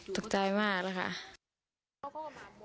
ตุ๊กใจมากแล้วคะ